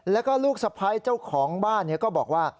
แล้วก็ลูกสะพ้ายเจ้าของบ้านก็บอกว่า